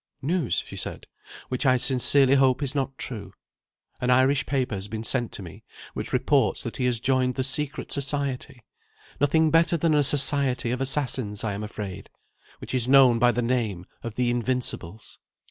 "News," she said, "which I sincerely hope is not true. An Irish paper has been sent to me, which reports that he has joined the secret society nothing better than a society of assassins, I am afraid which is known by the name of the Invincibles."